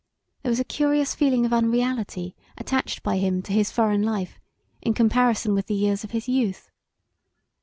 There was a curious feeling of unreality attached by him to his foreign life in comparison with the years of his youth.